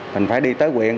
mình phải đi tới quyền